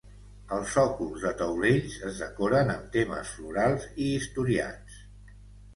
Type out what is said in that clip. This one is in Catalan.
Els sòcols de taulells es decoren amb temes florals i historiats.